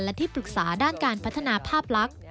และที่ปรึกษาด้านการพัฒนาภาพลักษณ์